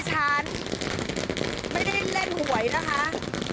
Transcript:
ฉันไม่ได้เล่นหวยนะคะ